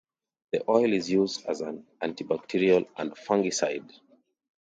The oil is used as an antibacterial and fungicide.